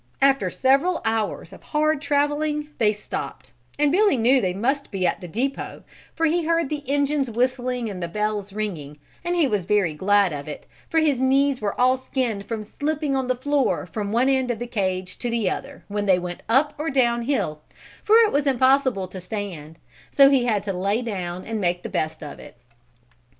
After several hours of hard traveling they stopped, and Billy knew they must be at the depot for he heard the engines whistling and the bells ringing, and he was very glad of it for his knees were all skinned from slipping on the floor from one end of the cage to the other when they went up or down hill, for it was impossible to stand, so he had to lay down and make the best of it.